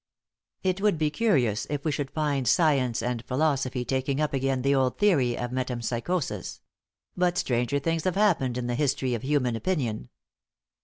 * It would be curious if we should find science and philosophy taking up again the old theory of metempsychosis. But stranger things have happened in the history of human opinion.